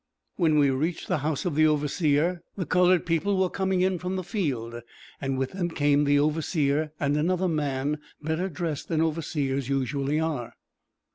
When we reached the house of the overseer, the colored people were coming in from the field, and with them came the overseer, and another man, better dressed than overseers usually are.